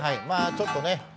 まぁちょっとね